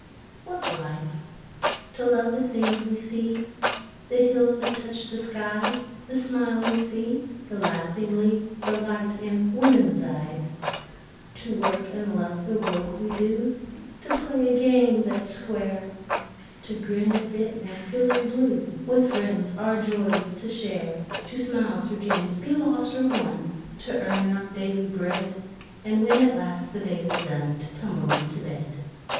What's life? To love the things we see; The hills that touch the skies; The smiling sea; the laughing lea; The light in woman's eyes; To work and love the work we do; To play a game that's square; To grin a bit when feeling blue; With friends our joys to share; To smile, though games be lost or won; To earn our daily bread; And when at last the day is done To tumble into bed.